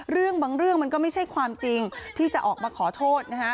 เรื่องบางเรื่องมันก็ไม่ใช่ความจริงที่จะออกมาขอโทษนะฮะ